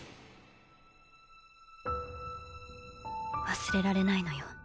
忘れられないのよ。